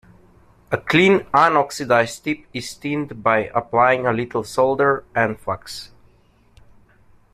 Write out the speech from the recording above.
A clean unoxidised tip is tinned by applying a little solder and flux.